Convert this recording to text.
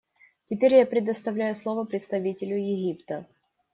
Теперь я предоставляю слово представителю Египта.